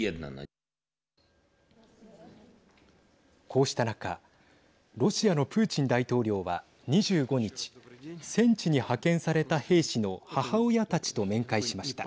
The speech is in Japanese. こうした中ロシアのプーチン大統領は２５日戦地に派遣された兵士の母親たちと面会しました。